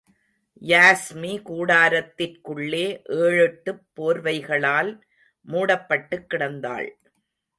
Yasmi கூடாரத்திற்குள்ளே, ஏழெட்டுப் போர்வைகளால் மூடப்பட்டுக் கிடந்தாள்.